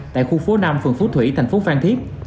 tại khu phố năm phường phú thủy tp phan thiết